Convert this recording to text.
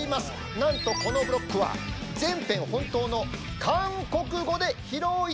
なんとこのブロックは全編本当の韓国語で披露いたします！